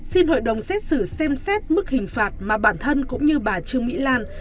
xin hội đồng xét xử xem xét mức hình phạt mà bản thân cũng như bà trương mỹ lan